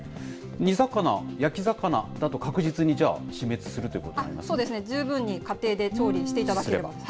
煮魚、焼き魚だと確実にじゃあ、死滅するということになりまそうですね、十分に家庭で調理していただければ。